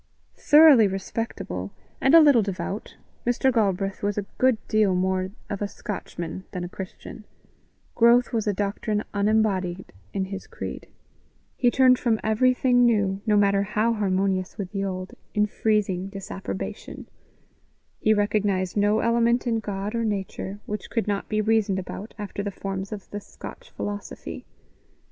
Thoroughly respectable, and a little devout, Mr. Galbraith was a good deal more of a Scotchman than a Christian; growth was a doctrine unembodied in his creed; he turned from everything new, no matter how harmonious with the old, in freezing disapprobation; he recognized no element in God or nature which could not be reasoned about after the forms of the Scotch philosophy.